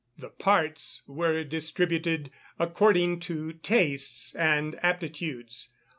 The parts were distributed according to tastes and aptitudes.